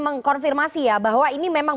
mengkonfirmasi ya bahwa ini memang